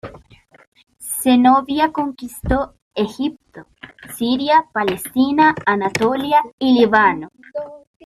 Zenobia conquistó Egipto, Siria, Palestina, Anatolia y Líbano.